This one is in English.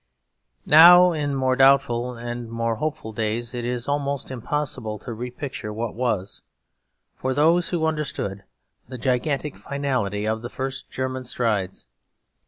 Now, in more doubtful and more hopeful days, it is almost impossible to repicture what was, for those who understood, the gigantic finality of the first German strides.